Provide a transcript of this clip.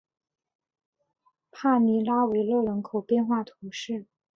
帕尼拉维勒人口变化图示